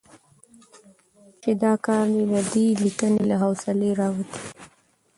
چې دا کار د دې ليکنې له حوصلې راوتې